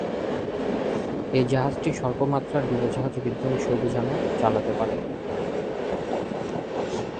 এই জাহাজটি স্বল্প মাত্রার ডুবোজাহাজ বিধ্বংসী অভিযান ও চালাতে পারে।